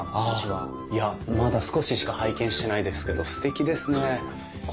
いやまだ少ししか拝見してないですけどすてきですね。